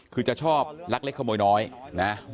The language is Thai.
คือจะชอบลักเล็กขโมยน้อยนะ